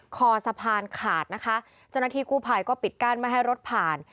คอสะพานขาดนะคะเจ้าหน้าที่กู้ภัยก็ปิดกั้นไม่ให้รถผ่าน